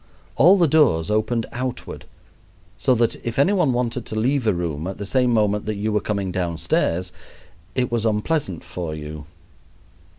All the doors opened outward, so that if any one wanted to leave a room at the same moment that you were coming downstairs it was unpleasant for you.